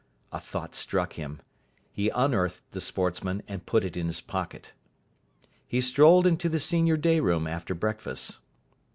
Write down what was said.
A thought struck him. He unearthed the Sportsman, and put it in his pocket. He strolled into the senior day room after breakfast.